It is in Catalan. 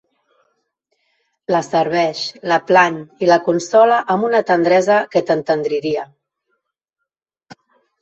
La serveix, la plany i l'aconsola amb una tendresa que t'entendriria.